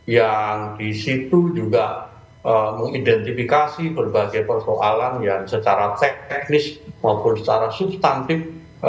yang disitu juga mengidentifikasi berbagai persoalan yang secara teknis maupun secara substantif